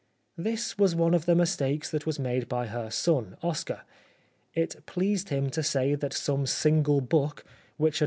This was one of the mistakes that was made by her son, Oscar. It pleased him to say that some single book, which had com.